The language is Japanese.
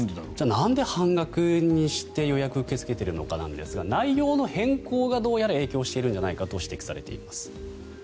なんで半額にして予約を受け付けているのかなんですが内容の変更がどうやら影響しているんじゃないかと指摘されています。